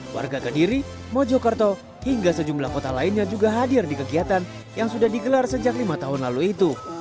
warga kediri mojokerto hingga sejumlah kota lainnya juga hadir di kegiatan yang sudah digelar sejak lima tahun lalu itu